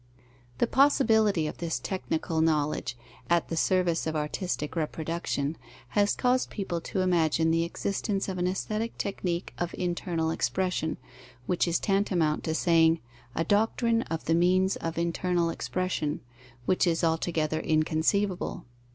The possibility of this technical knowledge, at the service of artistic reproduction, has caused people to imagine the existence of an aesthetic technique of internal expression, which is tantamount to saying, a doctrine of the means of internal expression, which is altogether inconceivable.